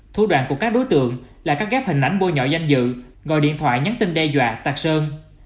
thu đoàn của các đối tượng là các ghép hình ảnh bôi nhọ danh dự gọi điện thoại nhắn tin đe dọa tạc sơn